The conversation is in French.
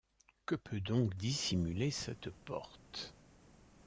Que peut donc dissimuler cette porte ?